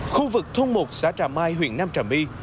khu vực thôn một xã trà mai huyện nam trà my